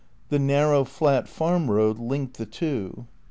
The narrow, flat farm road linked the two.